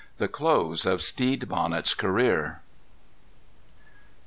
_The Close of Stede Bonnet's Career.